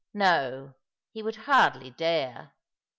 No, he would hardly dare.